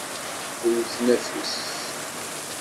Wwten afus.